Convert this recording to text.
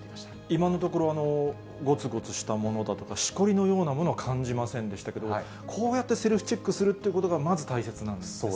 今のところ、ごつごつしたものだとか、しこりのようなものは感じませんでしたけれども、こうやってセルフチェックするということが、まず大切なんですね。